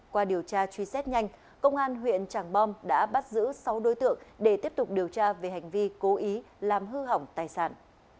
qua điều tra truy xét nhanh công an huyện tràng bom đã bắt giữ sáu đối tượng để tiếp tục điều tra về hành vi cố ý làm hư hỏng tài sản